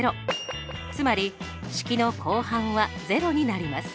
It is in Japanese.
つまり式の後半は０になります。